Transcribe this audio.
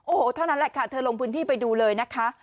โอ้โหเท่านั้นแหละค่ะเธอลงพื้นที่ไปดูเลยนะคะ